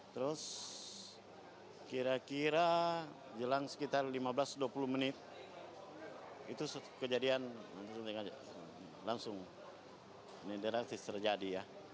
terus kira kira jelang sekitar lima belas dua puluh menit itu kejadian langsung ini drastis terjadi ya